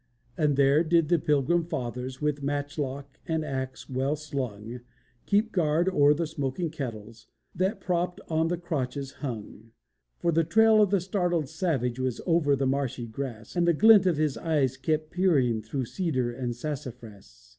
And there did the Pilgrim Fathers, With matchlock and axe well slung, Keep guard o'er the smoking kettles That propt on the crotches hung. For the trail of the startled savage Was over the marshy grass, And the glint of his eyes kept peering Through cedar and sassafras.